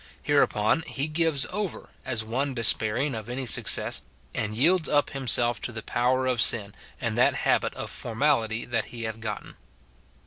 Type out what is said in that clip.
Hereupon he gives over, as one despairing of any success, and yields up himself to the power of sin and that habit of formality that he hath gotten.